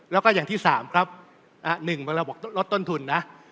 แล้วก็อย่างที่๓ครับ๑เวลาบอกลดต้นทุนนะ